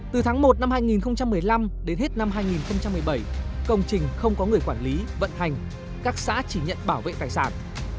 từ tháng một năm hai nghìn một mươi năm đến hết năm hai nghìn một mươi bảy công trình không có người quản lý vận hành các xã chỉ nhận bảo vệ tài sản